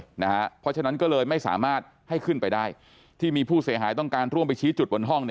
เพราะฉะนั้นก็เลยไม่สามารถให้ขึ้นไปได้ที่มีผู้เสียหายต้องการร่วมไปชี้จุดบนห้อง